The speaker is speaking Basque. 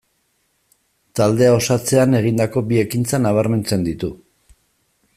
Taldea osatzean egindako bi ekintza nabarmentzen ditu.